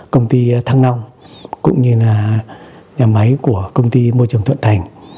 công ty thăng long cũng như là nhà máy của công ty môi trường thuận thành